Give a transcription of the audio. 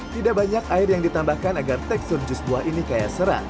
tidak banyak air yang ditambahkan agar tekstur jus buah ini kayak serang